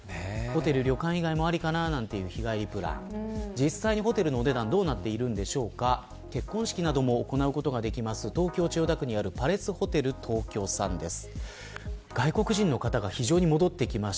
実際にホテルのお値段はどうなっているのかというと結婚式なども行える東京、千代田区のパレスホテル東京さんです。